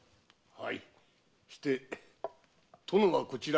はい。